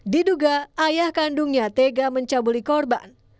diduga ayah kandungnya tega mencabuli korban